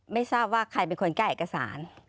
ไม่ทราบว่าใครเป็นคนแก้เอกสาร